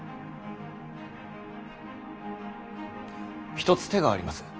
一つ手があります。